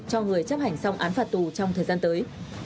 cho người chấp hành xong án phạt tù trong thời gian tới